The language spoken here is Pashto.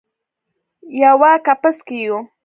یوه کپس کې یو